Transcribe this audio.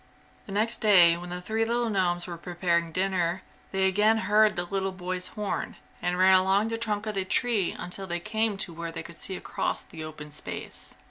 The next day when the three little gnomes were preparing dinner they again heard the little boy's horn, and ran along the trunk of the tree until they came to where they could see across the open space.